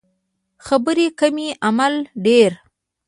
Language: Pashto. خبرې کمې عمل ډیر